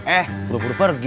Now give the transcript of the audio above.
eh buru buru pergi